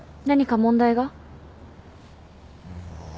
何か問題が？